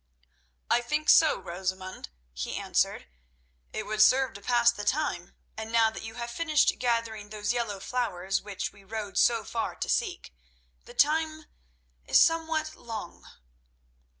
"I think so, Rosamund," he answered. "It would serve to pass the time, and now that you have finished gathering those yellow flowers which we rode so far to seek, the time—is somewhat long."